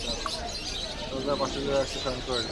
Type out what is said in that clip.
রাজা তাহার পার্শ্বের ঘরে আসিয়া শয়ন করিলেন।